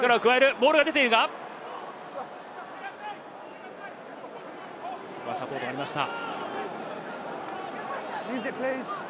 ボールが出ているが、ここはサポートがありました。